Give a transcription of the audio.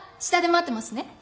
下で待ってますね。